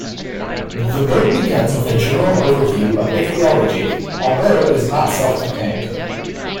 The book begins with a general overview of ichthyology, although it is not self-contained.